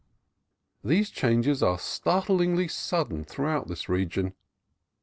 These changes are startlingly sudden throughout this region.